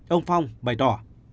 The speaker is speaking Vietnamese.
ông phong bày tỏ